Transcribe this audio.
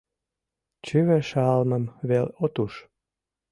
Чыве шалмым вел от уж.